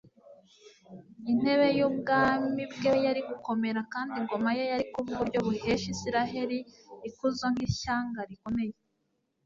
intebe y'ubwami bwe yari gukomera kandi ingoma ye yari kuba uburyo buhesha isirayeli ikuzo nk' ishyanga rikomeye